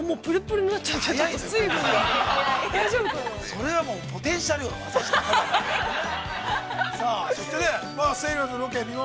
それはもう、ポテンシャルよ。